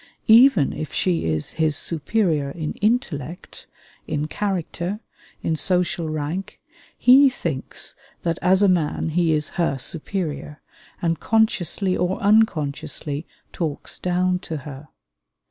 Even if she is his superior in intellect, in character, in social rank, he thinks that as a man he is her superior, and consciously or unconsciously talks down to her.